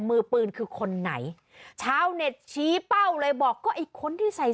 มือปืนคือคนไหนชาวเน็ตชี้เป้าเลยบอกก็ไอ้คนที่ใส่